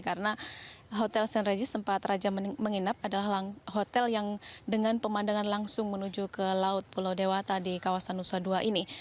karena hotel st regis tempat raja menginap adalah hotel yang dengan pemandangan langsung menuju ke laut pulau dewata di kawasan nusa dua ini